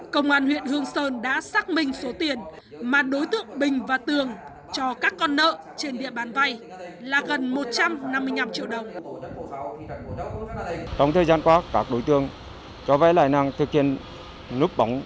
công an huyện hương sơn đã xác minh số tiền mà đối tượng bình và tường cho các con nợ trên địa bàn vay là gần một trăm năm mươi năm triệu đồng